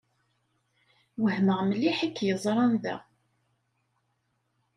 Wehmeɣ mliḥ i k-yeẓran da.